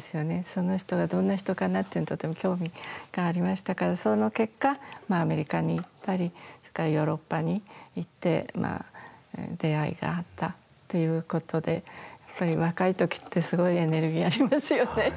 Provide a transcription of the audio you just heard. その人がどんな人かなっていうの、とても興味がありましたから、その結果、アメリカに行ったり、それからヨーロッパに行って、出会いがあったということで、やっぱり若いときって、すごいエネルギーありますよね。